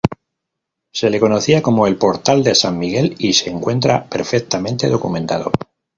Se le conocía como el portal de San Miguel y se encuentra perfectamente documentado.